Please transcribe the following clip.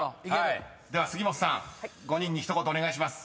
［では杉本さん５人に一言お願いします］